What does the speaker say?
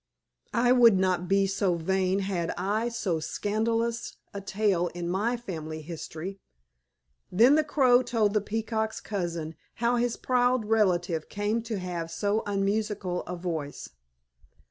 I would not be so vain had I so scandalous a tale in my family history." Then the Crow told the Peacock's cousin how his proud relative came to have so unmusical a voice.